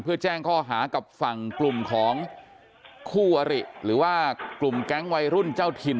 เพื่อแจ้งข้อหากับฝั่งกลุ่มของคู่อริหรือว่ากลุ่มแก๊งวัยรุ่นเจ้าถิ่น